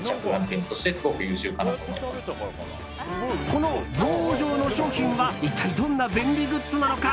この棒状の商品は一体、どんな便利グッズなのか？